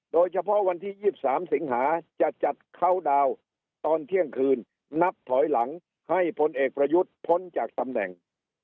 โดยเฉพาะวันที่๒๓สิงหาจะจัดเข้าดาวน์ตอนเที่ยงคืนนับถอยหลังให้พลเอกประยุทธ์พ้นจากตำแหน่ง